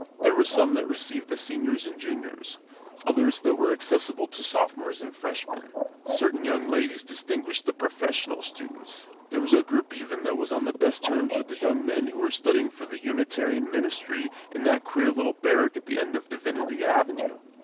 There were some that received the Seniors and Juniors; others that were accessible to Sophomores and Freshmen. Certain young ladies distinguished the professional students; there was a group, even, that was on the best terms with the young men who were studying for the Unitarian ministry in that queer little barrack at the end of Divinity Avenue.